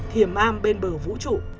thiềm am bên bờ vũ trụ